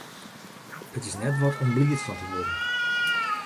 It is net wat om bliid fan te wurden.